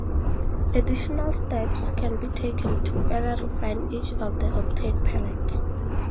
Additional steps can be taken to further refine each of the obtained pellets.